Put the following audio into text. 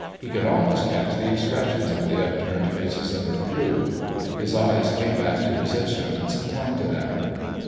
He could almost catch the expressions on the upturned faces of her crew. His eyes came back to his instruments and clung to them.